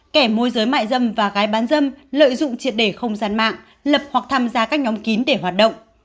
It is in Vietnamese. kẻ môi giới mại dâm và gái bán dâm lợi dụng triệt đề không gian mạng lập hoặc tham gia các nhóm kín để hoạt động